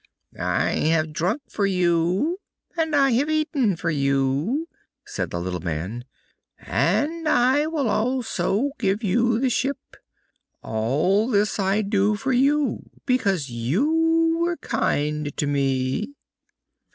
"I have drunk for you, and I have eaten for you," said the little man, "and I will also give you the ship; all this I do for you because you were kind to me."